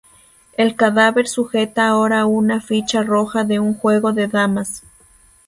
El cadáver sujeta ahora una ficha roja de un juego de damas.